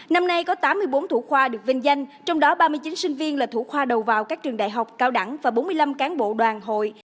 năm nay có tám mươi bốn thủ khoa được vinh danh trong đó ba mươi chín sinh viên là thủ khoa đầu vào các trường đại học cao đẳng và bốn mươi năm cán bộ đoàn hội